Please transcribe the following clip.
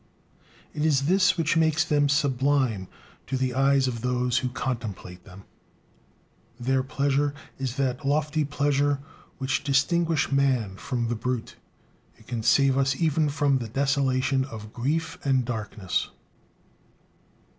It is this which makes them sublime to the eyes of those who contemplate them. Their pleasure is that lofty pleasure which distinguish man from the brute, and can save us even from the desolation of grief and darkness.